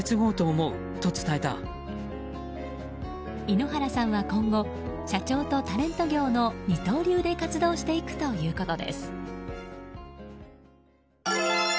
井ノ原さんは今後社長とタレント業の二刀流で活動していくということです。